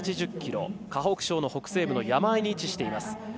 河北省の北西部の山あいに位置しています。